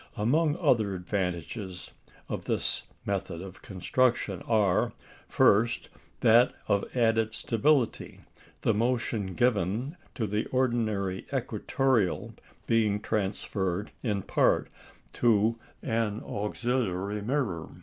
Among other advantages of this method of construction are, first, that of added stability, the motion given to the ordinary equatoreal being transferred, in part, to an auxiliary mirror.